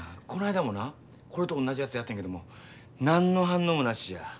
この間もなこれと同じやつやってんけども何の反応もなしや。